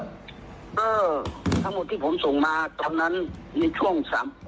ก็ทั้งหมดที่ผมส่งมาตอนนั้นในช่วงสาม